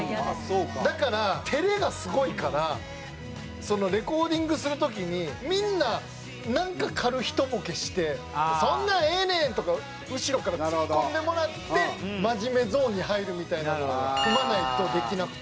だから照れがすごいからレコーディングする時にみんななんか軽ひとボケして「そんなんええねん！」とか後ろからツッコんでもらって真面目ゾーンに入るみたいなのを踏まないとできなくて。